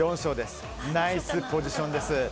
ナイスポジションです。